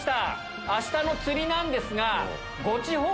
明日の釣りなんですが。